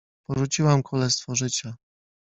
Porzuciłam królestwo życia.